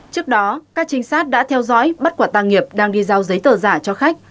trước đó các trinh sát đã theo dõi bắt quả tàng nghiệp đang đi giao giấy tờ giả cho khách